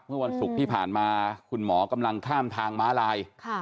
เมื่อวันศุกร์ที่ผ่านมาคุณหมอกำลังข้ามทางม้าลาย